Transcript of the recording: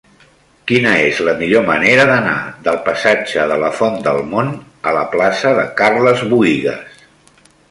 Quina és la millor manera d'anar del passatge de la Font del Mont a la plaça de Carles Buïgas?